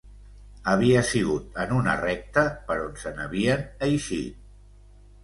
Havia sigut en una recta per on se n'havien eixit...